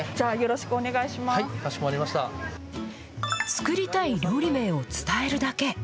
作りたい料理名を伝えるだけ。